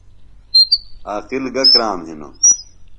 عاقل گہ کرام تھانوۡ ؟